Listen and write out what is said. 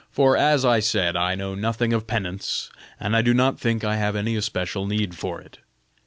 For, as I said, I know nothing of penance, and I do not think I have any especial need of it.